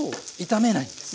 炒めない。